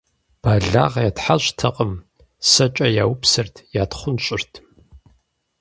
Бэлагъ ятхьэщӀтэкъым; сэкӀэ яупсырт, ятхъунщӀырт.